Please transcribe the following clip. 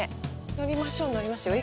乗りましょう、乗りましょう。